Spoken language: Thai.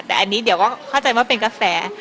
แต่อันนี้เดี๋ยวก็เข้าใจว่าเป็นกระแส